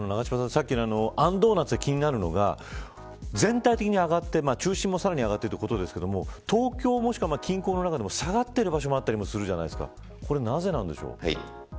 さっきのあんドーナツで気になるのが全体的に上がって中心も上がってるということですが東京もしくは近郊の間でも下がっている場所もあったりするじゃないですか。